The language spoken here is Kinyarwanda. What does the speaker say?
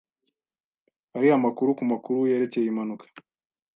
Hari amakuru ku makuru yerekeye impanuka?